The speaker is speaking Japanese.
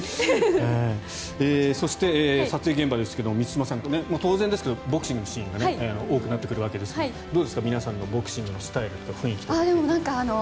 そして、撮影現場ですが満島さん、当然ですがボクシングのシーンが多くなってくるわけですがどうですか、皆さんのボクシングのスタイルとか。